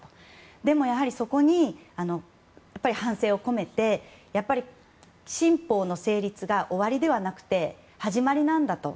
でも、やはりそこに反省を込めて新法の成立が終わりではなくて始まりなんだと。